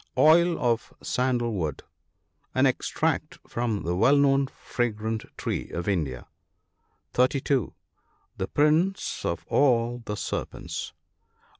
Oil of sandal wood. — An extract from the well known fragrant tree of India. (32.) The prince of all the serpents.